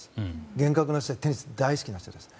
厳格な人でテニス大好きな人です。